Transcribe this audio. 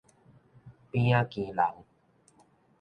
邊仔墘人